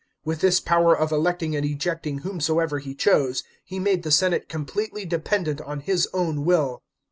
* With this power ot electing; and ejecting whomsoever he chose, he made the senate completely dependent on his own will.